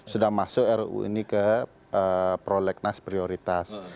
sudah masuk ruu ini ke prolegnas prioritas